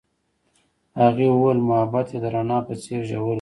هغې وویل محبت یې د رڼا په څېر ژور دی.